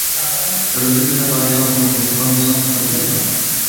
ئۈرۈمچىدە تاپالىشىڭىز مۇمكىن، تاپالمىسڭىز توردىن ئېلىڭ.